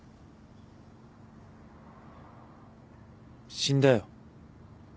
死んだよ。